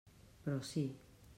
Però sí.